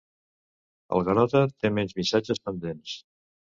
El Garota té menys missatges pendents.